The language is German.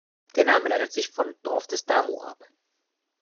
Der Name leitet sich von "Dorf des Damo" ab.